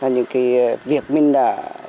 những cái việc mình đã